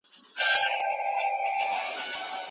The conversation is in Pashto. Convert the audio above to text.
کارکوونکي باید د سیمې په ژبه پوه سي.